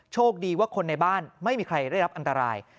โชคดีว่าคนในบ้านไม่มีใครได้รับอันตราย